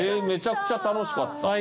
めちゃくちゃ楽しかった。